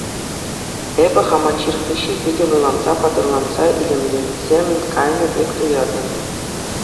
Эпӗ хама чир хыҫҫӑн питӗ вӑйланса, паттӑрланса, илемленсе кайнӑ пек туяттӑм.